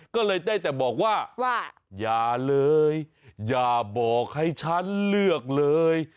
ก็เลยได้แต่บอกว่าอย่าเลยอย่าบอกให้ฉันเลือกเลย